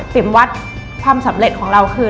วัดความสำเร็จของเราคือ